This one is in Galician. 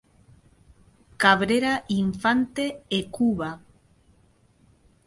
Cabrera Infante e Cuba